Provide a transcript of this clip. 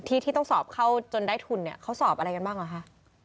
ที่ที่ต้องสอบเข้าจนได้ทุนเนี่ยเขาสอบอะไรกันบ้างเหรอคะ